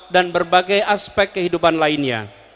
dan berbagai aspek kehidupan lainnya